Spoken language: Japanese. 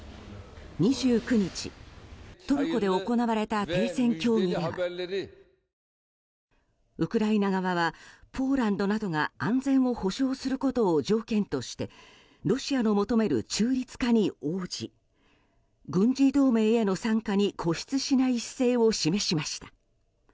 ２９日、トルコで行われた停戦協議ではウクライナ側はポーランドなどが安全を保障することを条件としてロシアの求める中立化に応じ軍事同盟への参加に固執しない姿勢を示しました。